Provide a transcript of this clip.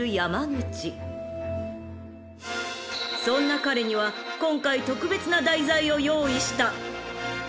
［そんな彼には今回特別な題材を用意した］